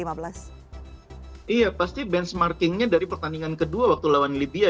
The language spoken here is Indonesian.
iya pasti benchmarkingnya dari pertandingan kedua waktu lawan libya